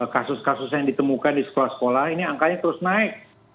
kasus kasus yang ditemukan di sekolah sekolah ini angkanya terus naik